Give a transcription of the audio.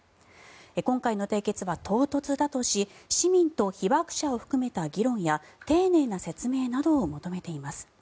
今回の締結は唐突だとし市民と被爆者を含めた議論や丁寧な説明などを求めています。